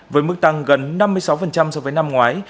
với mức tăng gần năm mươi sáu so với năm ngoái